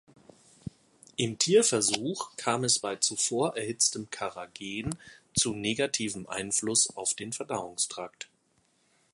Im Tierversuch kam es bei zuvor erhitztem Carrageen zu negativem Einfluss auf den Verdauungstrakt.